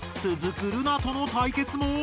つづくルナとの対決も。